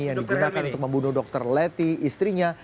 yang digunakan untuk membunuh dr letty istrinya